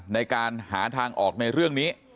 ในการหาทางออกในเรื่องนี้